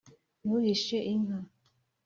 ntuhishe inka,